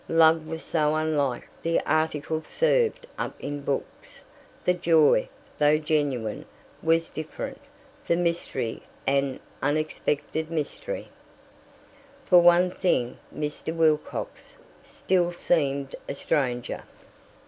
Love was so unlike the article served up in books: the joy, though genuine, was different; the mystery an unexpected mystery. For one thing, Mr. Wilcox still seemed a stranger.